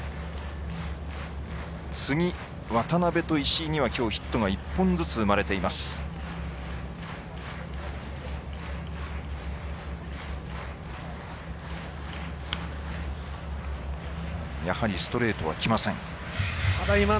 次、渡邉と石井にはきょうはヒットが１本ずつ生まれています。